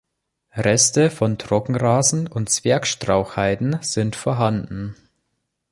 Reste von Trockenrasen und Zwergstrauchheiden sind vorhanden.